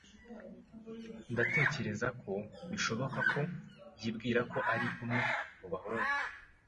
Ndatekereza ko bishoboka ko yibwira ko ari umwe mu bahungu.